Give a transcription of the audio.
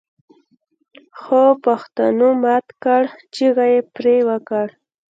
خوپښتنو مات کړ چيغه يې پرې وکړه